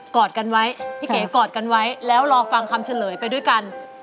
อดกันไว้พี่เก๋กอดกันไว้แล้วรอฟังคำเฉลยไปด้วยกัน